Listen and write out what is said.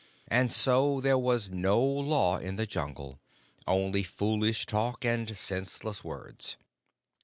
And so there was no Law in the Jungle only foolish talk and senseless words.